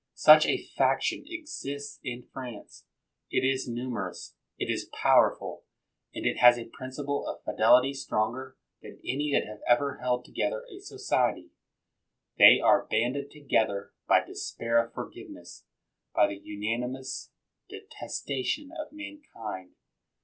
Such a faction exists in France. It is numer ous; it is powerful; and it has a principle of fidelity stronger than any that ever held to gether a society. They are handed together by despair of forgiveness, by the unanimous detesta tion of mankind.